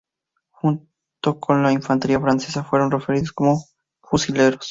Junto con la infantería francesa, fueron referidos como 'fusileros'.